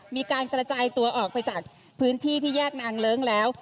มีการกระจายตัวออกไปจากพื้นที่ที่แยกนางเลิ้งแล้ว